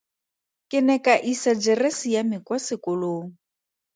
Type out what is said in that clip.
Ke ne ka isa jeresi ya me kwa sekolong.